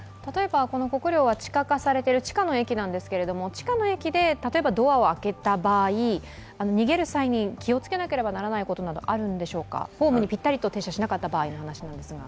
国領は地下の駅なんですけど地下の駅でドアを開けた場合、逃げる際に気をつけなければならないことなど、あるんでしょうか、ホームにぴったりと停車しなかった場合の話ですが。